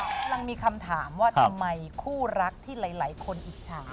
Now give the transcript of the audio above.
กำลังมีคำถามว่าทำไมคู่รักที่หลายคนอิจฉา